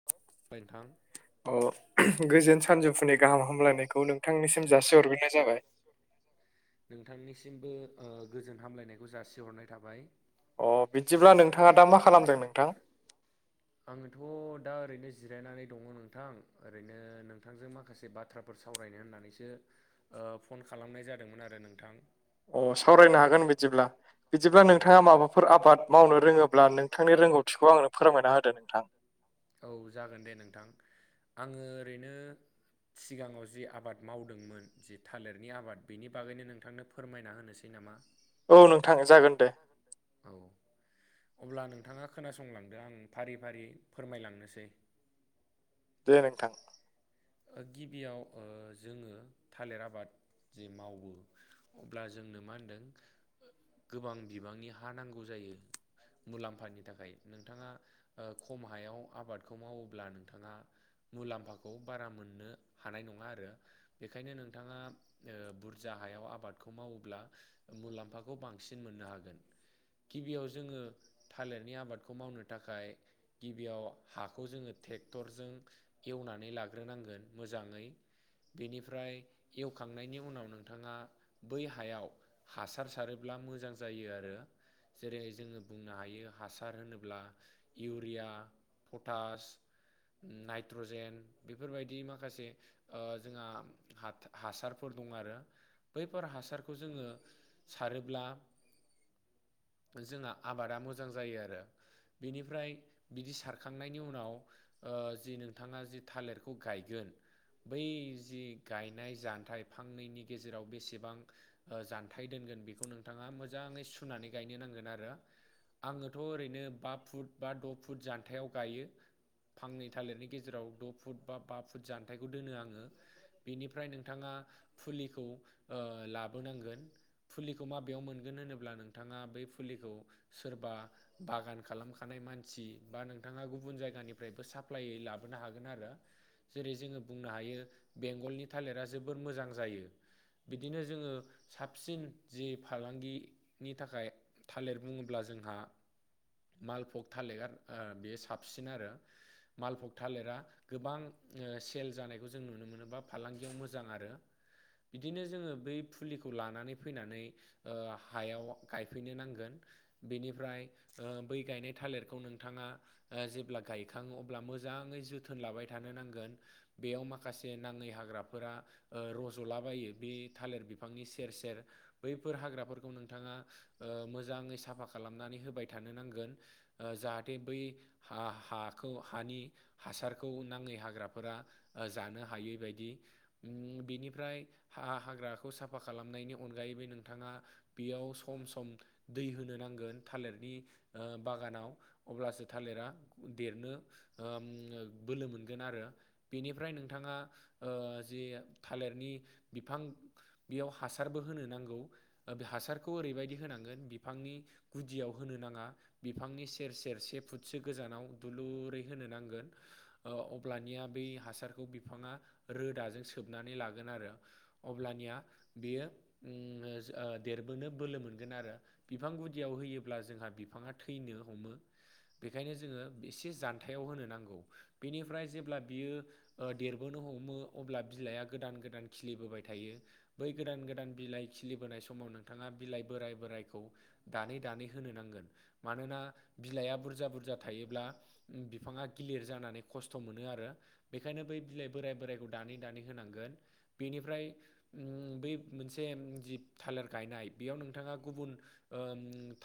[unintelligible] नोंथां अ गोजोन सानजौफुनि गाहाम हामलायनायखौ नोंथांनिसिम जासिहरग्रनाय जाबाय नोंथांनिसिमबो ओ गोजोन हामलायनायखौ जासिहरनाय थाबाय अ बिदिब्ला नों थाङा दा मा खालामदों आङोथ' दा ओरैनो जिरायनानै दङ नोंथां ओरैनो नोंथांजों माखासे बाथ्रा फोर सावरायनो होननानैसो ओ फन खालामनाय जादोंमोन आरो नोंथां अ सावरायनो हागोन बिदिब्ला बिदिब्ला नोंथाङा माबाफोर आबाद मावनो रोङोब्ला नों नोंथांनि रोंगौथिखौ आंनो फोरमायना होदो नोंथां औ जागोन दे नोंथां आङो ओरैनो सिगाङाव जि आबाद मावदोंमोन जि थालिरनि आबाद बेनि बागैनो नोंथांनो फोरमायना होनोसै नामा औ नोंथां औ अब्ला नों नोंथाङा खोनासंलांदो आं फारि फारि फोरमायलांनोसै दे नोंथां गिबियाव ओ जोङो थालिर आबाद जि मावो अब्ला जोंनो मा होनदों गोबां बिबांनि हा नांगौ जायो मुलाम्फानि नि थाखाय नोंथाङा खम हायाव आबादखौ मावोब्ला नोंथाङा मुलाम्फाखौ बारा मोननो हानाय नङा आरो बेखायनो नोंथाङा बुरजा हायाव आबादखौ मावोब्ला मुलाम्फाखौ बांसिन मोननो हागोन गिबियाव जोङो थालेर नि आबादखौ मावनो थाखाय गिबियाव हाखौ जोङो ट्रेक्टरजों एवनानै लाग्रोनांगोन मोजाङै बेनिफ्राय एवखांनायनि उनाव नोंथाङा बै हायाव हासार सारोब्ला मोजां जायो आरो जेरै जोङो बुंनो हायो हासार होनोब्ला इउरिया पटास नाइट्रजेन बेफोरबायदि माखासे जोंहा हासारफोर दं आरो बैफोर हासारखौ जोंङो सारोब्ला जोंहा आबादा मोजां जायो आरो बेनिफ्राय बिदि सारखांनायनि उनाव जि नोंथांङा जि थालिरखौ गायगोन बै जि गायनाय जान्थायाइ फांनैनि गेजेराव बेसेबां जानथायाइ दोनगोन बेखौ नोंथांङा मोजांङै सुनानै गायनो नांगोन आरो आंङोथ' ओरैनो बा फुट बा द' फुट जान्थायाव गायो। फांनै थालिरनि गेजेराव द' फुट बा बा फुट जान्थाइखौ दोनो आंङो बेनिफ्राय नोंथांङा फुलिखौ लाबोनांगोन फुलिखौ माबेायाव मोनगोन होनोब्ला नोंथांङा बै फुलिखौ सोरबा बागान खालामखानाय मानसि बा नोंथांङा गुबुन जायगानिफ्रायबो साप्लाायै लाबोनो हागोन आरो जेरै जोङो बुंनो हायो बेंगलनि थालिरा जोबोर मोजां जायो। बिदिनो जोंङो साबसिन जे फालांगिनि थाखाय थालिर बुंङो। अब्ला जोंहा मालफक थालिरा बेयो साबसिन आरो मालफग थालिरा गोबां सेल जानायखौ जों नुनो मोनोबा फालांगियाव मोजां आरो बिदिनो जोंङो बै फुलिखौ लानानै फैनानै हायाव गायफैनो नांगोन बेनिफ्राय बै गायनाय थालिरखौ नोंथांङा जेब्ला गायखाङो अब्ला मोजांङै जोथोन लाबाय थानो नांगोन। बेयाव माखासे नांङै हाग्राफोरा रज'लाबायो बे थालिर बिफांनि सेर सेर बैफोर हाग्राफोरखौ नोंथांङा मोजांङै साफा खालाम खालामनानै होबाय थानो नांगोन जाहाथे बै ह ह हाखौ हानि हासारखौ नांङै हाग्राफोरा जानो हायै बायदि बेनिफ्राय ह हाग्राखौ साफा खालामनायनि अनगायैबो नोंथांङा बेयाव सम सम दै होनो नांगोन। थालिरनि बागानाव अब्लासो थालिरा देरनो बोलो मोनगोन आरो बेनिफ्राय नोंथांङा जि थालिरनि बिफां बेयाव हासारबो होनो नांगौ बे हासारखौ ओरैबायदि होनांगोन बिफांनि गुदियाव होनो नांङा बिफांनि सेर सेर से फुटसो गोजानाव दुलुरै होनो नांगोन अब्लानिया बै हासारखौ बिफांङा रोदाजों सोबनानै लागोन आरो अब्लानिया बेयो देरबोनो बोलो मोनगोन आरो बिफां गुदि गुदियाव होयोब्ला जोंहा बिफांङा थैनो हमो। बेखायनो जोंङो एसे जानथायाव होनो नांगौ बेनिफ्राय जेब्ला बियो देरबोनो हमो अब्ला बिलाइआ गोदान गोदान खिलिबोबाय थायो। बै गोदान गोदान बिलाइ खिलिबोनाय समाव नोंथांङा बिलाइ बोराइ बोरायखौ दानै दानै होनो नांगोन मानोना बिलाइआ बुरजा बुरजा थायोब्ला। बिफांङा गिलिर जानानै खस्थ' मोनो आरो बेखायनो बै बिलाइ बोराय बोरायखौ दानै दानै होनांगोन बेनिफ्राय बै मोनसे जि थालिर गायनाय बेयाव नोंथांङा गुबुन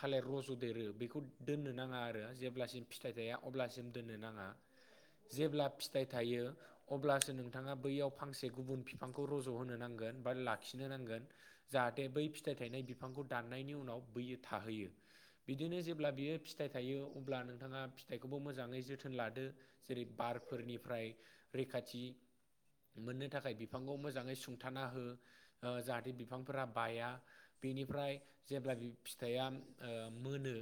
थालिर रज'देरो बेखौ दोननो नांङा आरो जेब्लासिम फिथाइ थाइया अब्लासिम दोननो नांङा जेब्ला फिथाइ थायो। अब्लासो नोंथांङा बैयाव फांसे गुबुन बिफांखौ रज' होनोनो नांगोन बा लाखिनो नांगोन। जाहाथे बै फिथाइ थायनाय बिफांखौ दाननायनि उनाव बैयो थाहैयो। बिदिनो जेब्ला बियो फिथाइ थायो अब्ला नोंथांङा फिथाइखौबो मोजांङै जोथोन लादो। जेरै बारफोरनिफ्राय रैखाथि मोननो थाखाय बिफांखौ मोजाङै सुंथाना हो जाहाथे बिफांफोरा बाया बेनिफ्राय जेब्ला फिथाइया मोनो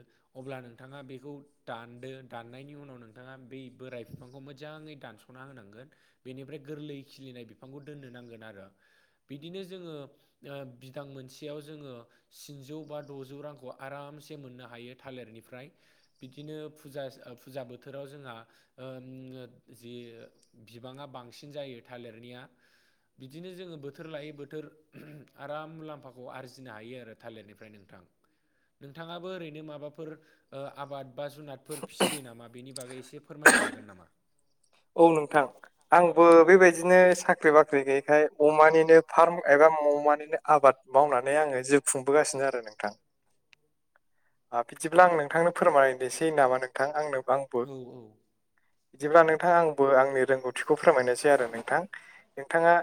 अब्ला नोंथाङा बेखौ दानदो दाननायनि उनाव नोंथाङा बे बोराय बिफांखौ मोजाङै दानस' स'ना होनांगोन बेनिफ्राय गोरलै खिलिनाय बिफांखौ दोननो नांगोन आरो बिदिनो जोङो बिदां मोनसेयाव जोङो सिनिजौ बा द'जौ रांखौ आरामसे मोननो हायो थालिरनिफ्राय बिदिनो फुजा फुजा बोथोराव जोंहा जि बिबाङा बांसिन जायो थालिरनिया बिदिनो जोङो बोथोर लायै बोथोर आराम मुलाम्फाखौ आरजिनो हायो आरो थालिरनिफ्रायनो नोंथाङाबो ओरैनो माबाफोर आबाद बा जुनारादफोर फिसियो नामा बेनि बागै एसे फोरमायनो हागोन नामा औ नोंथां आंबो बेबायदिनो साख्रि बाख्रि गैयैखाय अमानिनो फार्म एबा अमानिनो आबाद मावनानै आङो जिउ खुंबोगासिनो आरो नोंथां बिदिब्ला आं नोंथांनो फोरमायनोसै नामा नोंथां आंनो आंबो बिदिब्ला नों नोंथां आंबो आंनि रोंगौथिखौ फोरमायनोसै आरो नोंथां नोंथाङा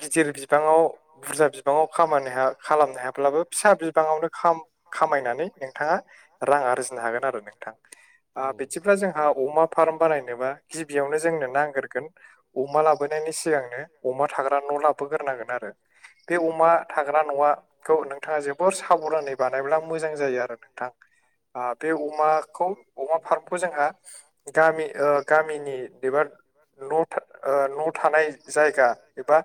गिदिर गिदिर बिबाङाव बुरजा बिबाङाव खामानि खालामनो हायाब्लाबो फिसा बिबाङावनो खामायनानै नोंथाङा रां आरजिनो हागोन आरो नोंथां बिदिब्ला जोंहा अमा फार्म बानायनोबा गिबियावनो जों जोंनो नाग्रोगोन अमा लाबोनायनि सिगांनो अमा थाग्रा न' लाबोग्रोनांगोन आरो बे अमा थाग्रा न'आ खौ नोंथाङा जोबोर साबधानै बानायब्ला मोजां जायो आरो नोंथां बे अमाखौ अमा फार्मखौ जोंहा गामि गामिनि बिबार न न' थानाय जायगा एबा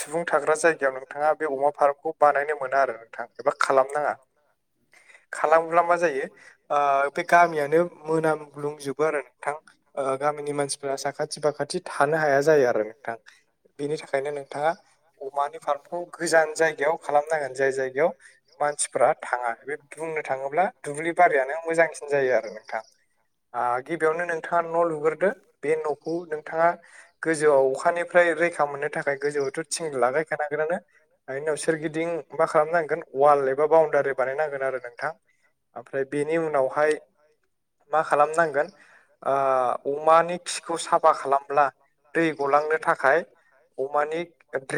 सुबुं थाग्रा जायगायाव नोंथाङा बे अमा फार्म खौ बानायनो मोना आरो नोंथां एबा खालामनाङा खालामब्ला मा जायो बे गामियानो मोनामग्लुंजोबो आरो नोंथां गामिनि मानसिफोरा साखाथि फाखाथि थानो हाया जायो आरो नोंथां बेनि थाखायनो नोंथाङा अमानि फार्मखौ गोजान जायगायाव खालामनांगोन जाय जायगायाव मानसिफ्रा थाङा बे बुंनो थाङोब्ला दुब्लि बारियानो मोजांसिन जायो आरो नोंथां गिबियावनो नोंथाङा न लुग्रोदो बे न'खौ नोंथाङा गोजौआव अखानिफ्राय रैखा मोननो थाखाय गोजौआवथ' थिं लागायखानांगोनानो बे उनाव सोरगिदिं मा खालामनांगोन ववाल एबा बाउणडारि बानायनांगोन आरो नों खोनादों नोंथां ओमफ्राय बेनि उनावहाय मा खालामनांगोन अमानि खिखौ साफा खालामब्ला दै गलांनो थाखाय अमानि मानि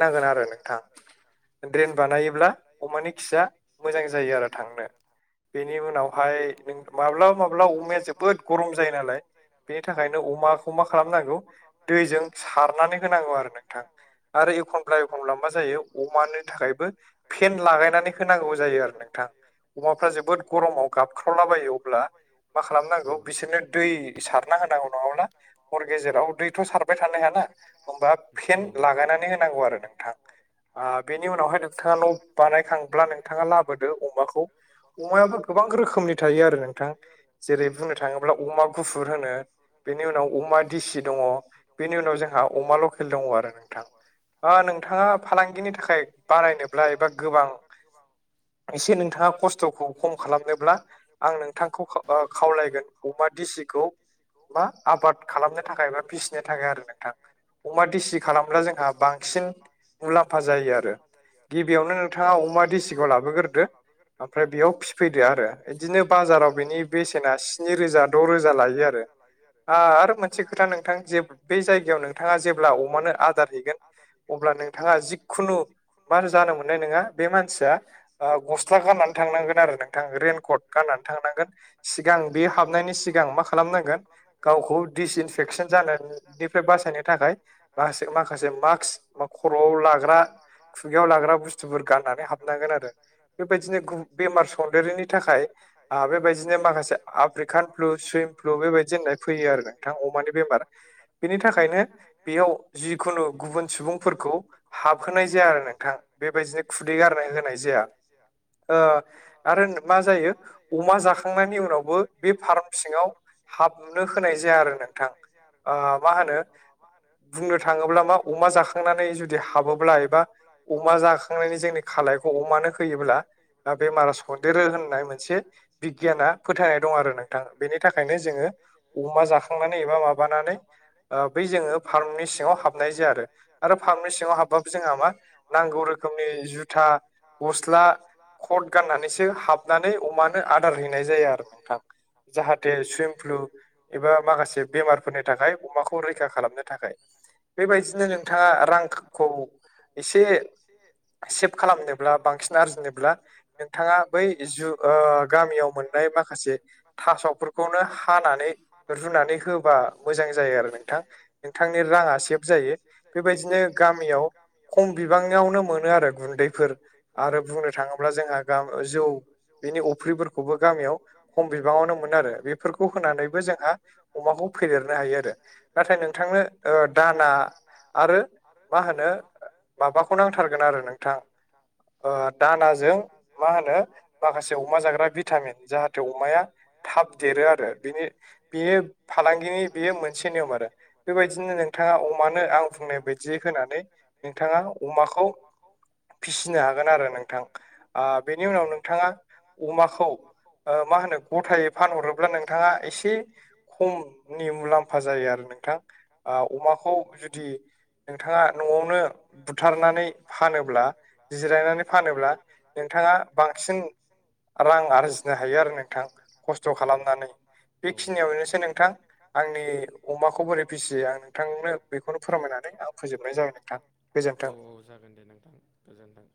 देरेन बानायनांगोन आरो नोंथां ड्रेन बानायोब्ला अमानि खिया मोजां जायो आरो थांनो बेनि उनावहाय माब्लाबा माब्लाबा अमाया जोबोद गरम जायो ना बेनि थाखायनो अमाखौ मा खालामनांगौ दैजों सारनानै होनांगौ आरो नोंथां आरो एखनब्ला एखनब्ला मा जायो अमानि थाखायबो फेन लागायनानै होनांगौ जायो आरो नोंथां अमाफ्रा जोबोद गरमाव गाबख्रावलाबायो अब्ला मा खालामनांगौ बिसोरनो दै सारना होनांगौ नङाब्ला हर गेजेराव दैथ' सारबाय थानो हायाना होमबा फेन लागायनानै होनांगौ आरो नोंथां बेनि उनावहाय नोंथाङा न' बानायखांब्ला नोंथाङा लाबोदो अमाखौ अमायाबो गोबां रोखोमनि थायो आरो नोंथां जेरै बुंनो थाङोब्ला अमा गुफुर होनो बेनि उनाव अमा दिसि दङ बेनि उनाव जोंहा अमा लकेल दङ आरो नोंथां नोंथाङा फालांगिनि थाखाय बानायनोब्ला एबा गोबां गोबां एसे नोंथाङा खस्थ'खौ खम खालामनोब्ला आं नोंथांखौ खावलायगोन खावलायगोन अमा डिसिखौ मा आबाद खालामनो थाखाय बा फिसिनो थाखाय आरो नोंथां अमा देसि खालामब्ला जोंहा बांसिन मुलाम्फा जायो आरो गिबियावनो नों थाङा अमा दिसिखौ लाबोग्रोदो ओमफ्राय बेयाव फिसिफैदो आरो बिदिनो बाजाराव बिनि बाजाराव बेनि बेसे ब्रै रोजा द' रोजा लायो। [unintelligible] आरो मोनसे खोथा नोंथां बे जायगायाव नोंथाङा जेब्ला अमानो आदार हैगोन अब्ला नोंथाङा जिखुनु बार जानो मोननाय नङा बे मानसिया ओ‌ गस्ला गाननानै थांनांगोन आरो नोंथां रेइेन कट गाननानै थांनांगोन सिगां बेयो हाबनायनि सिगां मा खालाम नांगोन गावखौ दिसइनफेकसन जानायनिफ्राय बासायनो थाखाय माख माखासे मास्क बा खर'वाव लाग्रा खुगायाव लाग्रा बुस्थुफोर गाननानै हाबनांगोन आरो बेबायदिनो गु बेमार संदेरिनि थाखाय ओ बेबायदिनो माखासे आफ्रिकान फ्लु सुइम फ्लु बेबायदि होननाय फैयो आरो नोंथां अमानि बेमार बिनि थाखायनो बेयाव जिखुनु गुबुन सुबुंफोरखौ हाबहोनाय जाया आरो नोंथां बेबायदिनो खुदै गारनो होनाय जाया। जाया ओ आरो मा जायो अमा जाखांनायनि उनावबो बे फाराम सिङाव हाबनो होनाय जाया आरो नोंथां ओ मा होनो बुंनो थाङोब्ला मा अमा जाखांनानै जुदि हाबोब्ला एबा अमा जाखांनायनि जोंनि खालायखौ अमानो होयोब्ला ओ बेरामा सनदेरो होननाय मोनसे बिगियाना फोथायनाय दं आरो नोंथां बेनि थाखायनो जोङो अमा जाखांनानै एबा माबानानै ओ बै जोङो फार्मनि सिङाव हाबनाय जाया आरो फार्मनि सिङाव हाबबाबो जोंहा मा नांगौ रोखोमनि जुथा गस्ला खट गाननानैसो हाबनानै अमानो आदार हैनाय जायो आरो नोंथां। जाहाथे सुइम फ्लु एबा माखासे बेमारफोरनि थाखाय अमाखौ रैखा खालामनो थाखाय। बैबायदिनो नोंथाङा रांखौ एसे सेभ खालामनोब्ला बांसिन आरजिनोब्ला नोंथाङा बै जु ओ गामियाव मोननाय माखासे जे थास' खौनो हानानै रुनानै होबा मोजां जायो आरो नोंथां नोंथांनि राङा सेभ जायो। बेबायदिनो गामियाव खम बिबाङानियावनो मोनो आरो गुन्दैफोर आरो बुंनो थाङोब्ला जोंहा गाम जौ बेनि अफ्रिफोरखौबो गामियाव खम बिबाङावनो मोनो आरो बे फोरखौ होनानैबो जोंहा अमाखौ फेदेरनो हायो आरो नाथाय नोंथांनो ओ दाना आरो आरो मा होनो माबाखौ नांथारगोन आरो नोंथां। ओ दानाजों मा होनो माखासे अमा जाग्रा भिटामिन जाहा जाहाथे अमाया थाब देरो आरो बिनि बेयो फालांगिनि बेयो मोनसे नियम आरो बेबायदिनो नों थाङा अमानो आं बुंनाय बायदि होनानै नोंथाङा अमाखौ फिसिनो हागोन आरो नोंथां ओ बेनि उनाव नोंथाङा अमाखौ ओ मा होनो गथायै फानहरोब्ला नों थाङा एसे खमनि मुलाम्फा जायो आरो नोंथां ओ अमाखौ जुदि नोंथाङा न'वावनो बुथारनानै फानोब्ला जिरायनानै फानोब्ला नोंथाङा बांसिन रां आरजिनो हायो आरो नोंथां ख स्थ' खालामनानै बेखिनियावनोसो नोंथां आंनि अमाखौ बोरै फिसियो आं नोंथांनो बेखौनो फोरमायनानै आं फोजोबनाय जाबाय नोंथां गोजोनथों। औ औ जागोन दे नोंथां गोजोनथों।